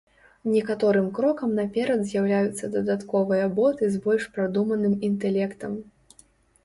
Некаторым крокам наперад з'яўляюцца дадатковыя боты з больш прадуманым інтэлектам.